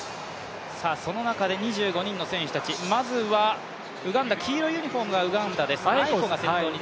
その中で２５人の選手たち、まずはウガンダ黄色いユニフォームがウガンダです。